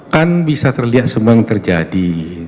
kan bisa terlihat semua yang terjadi